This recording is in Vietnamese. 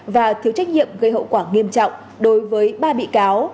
và thiếu trách nhiệm gây hậu quả nghiêm trọng đối với ba bị cáo